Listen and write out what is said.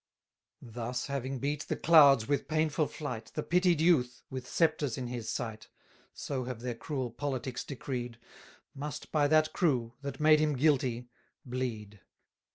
Thus having beat the clouds with painful flight, The pitied youth, with sceptres in his sight (So have their cruel politics decreed), Must by that crew, that made him guilty, bleed!